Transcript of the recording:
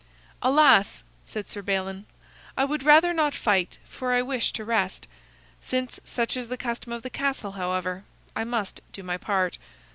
"Alas!" said Sir Balin, "I would rather not fight, for I wish to rest. Since such is the custom of the castle, however, I must do my part.